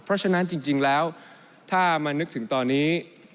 เพราะฉะนั้นจริงแล้วถ้ามานึกถึงตอนนี้